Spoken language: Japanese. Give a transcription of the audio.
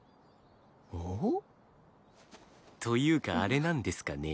ん？というかあれなんですかね？